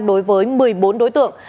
đối với một mươi bốn đối tượng